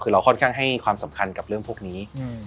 คือเราค่อนข้างให้ความสำคัญกับเรื่องพวกนี้